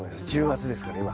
１０月ですから今。